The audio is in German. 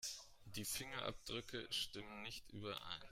Die Fingerabdrücke stimmen nicht überein.